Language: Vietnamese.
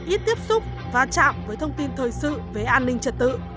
ít tiếp xúc và chạm với thông tin thời sự về an ninh trật tự